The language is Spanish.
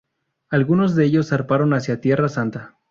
Algunos de ellos zarparon hacia Tierra Santa.